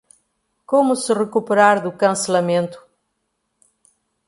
Como se recuperar do cancelamento